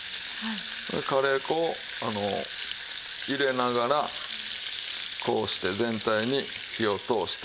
カレー粉を入れながらこうして全体に火を通して。